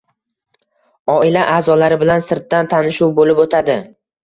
Oila a`zolari bilan sirtdan tanishuv bo`lib o`tadi